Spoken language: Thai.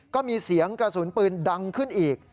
ก็มีเสียงกระสุนปืนดังขึ้นอีก